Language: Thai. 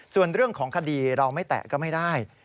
ส่วนเรื่องของคดีเราไม่แตะก็ไม่ได้